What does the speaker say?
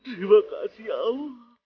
terima kasih au